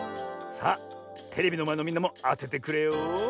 さあテレビのまえのみんなもあててくれよ。